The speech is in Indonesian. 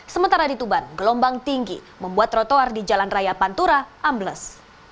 sementara di tuban gelombang tinggi membuat trotoar di jalan raya pantura ambles